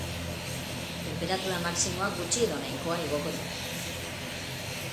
Tenperatura maximoak gutxi edo nahikoa igoko dira.